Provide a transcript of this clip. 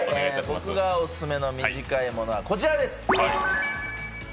僕がオススメの短いものはこちらです。